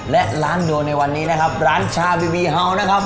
และร้านโนในวันนี้นะครับร้านชาบีวีเฮาสนะครับ